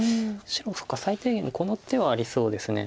白そっか最低限この手はありそうです。